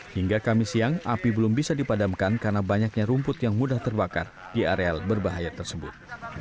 hingga kamis siang api belum bisa dipadamkan karena banyaknya rumput yang mudah terbakar di areal berbahaya tersebut